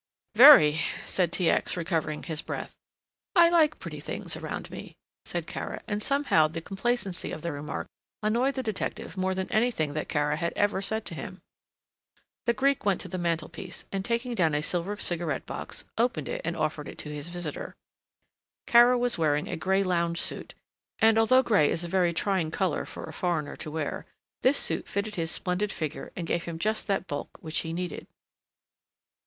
"Very," said T. X., recovering his breath. "I like pretty things around me," said Kara, and somehow the complacency of the remark annoyed the detective more than anything that Kara had ever said to him. The Greek went to the mantlepiece, and taking down a silver cigarette box, opened and offered it to his visitor. Kara was wearing a grey lounge suit; and although grey is a very trying colour for a foreigner to wear, this suit fitted his splendid figure and gave him just that bulk which he needed.